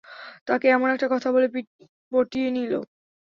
তাকে এমন একটা কথা বলে পটিয়ে নিলো?